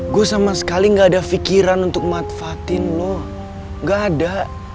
gue sama sekali nggak ada pikiran untuk manfaatin lo nggak ada